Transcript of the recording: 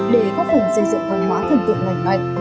để các phần sử dụng phần mã thần tượng mạnh mạnh